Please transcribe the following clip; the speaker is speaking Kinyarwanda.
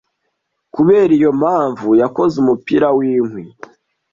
Kubera iyo mpamvu, yakoze umupira w'inkwi